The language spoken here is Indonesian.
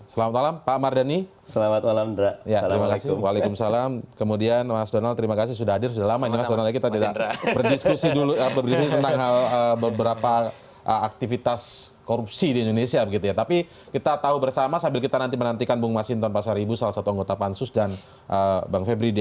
selamat malam pak mardani